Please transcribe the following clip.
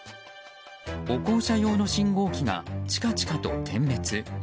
歩行者用の信号機がチカチカと点滅。